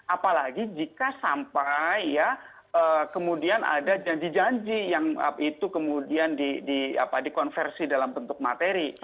apalagi jika sampai ya kemudian ada janji janji yang itu kemudian dikonversi dalam bentuk materi